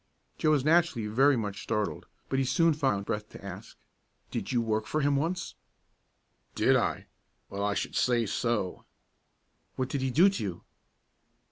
Joe was naturally very much startled, but he soon found breath to ask, "Did you work for him once?" "Did I? Well, I should say so." "What did he do to you?"